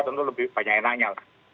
tentu lebih banyak enaknya